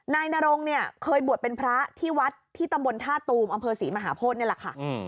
นายนรงเนี่ยเคยบวชเป็นพระที่วัดที่ตำบลท่าตูมอำเภอศรีมหาโพธินี่แหละค่ะ